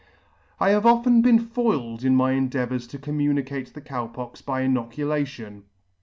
I have often been foiled in my endeavours to communicate the Cow Pox by inoculation.